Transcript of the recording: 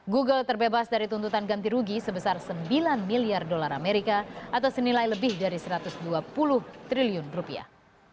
google terbebas dari tuntutan ganti rugi sebesar sembilan miliar dolar amerika atau senilai lebih dari satu ratus dua puluh triliun rupiah